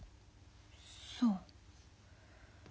そう。